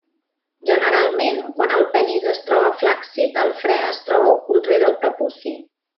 Generalment, quan el penis es troba flàccid el fre es troba ocult rere el prepuci.